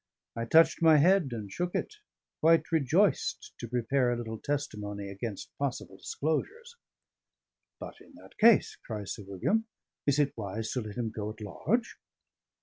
I touched my head and shook it; quite rejoiced to prepare a little testimony against possible disclosures. "But in that case," cries Sir William, "is it wise to let him go at large?"